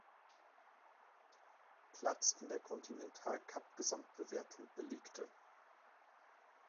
Platz in der Continental-Cup-Gesamtwertung belegte.